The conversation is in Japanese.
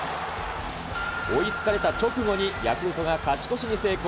追いつかれた直後にヤクルトが勝ち越しに成功。